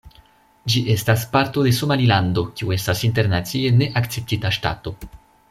Ĝi estas parto de Somalilando, kiu estas internacie ne akceptita ŝtato.